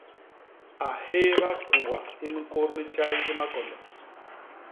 A hééba kuba i miñkôt mi tjay di makondo!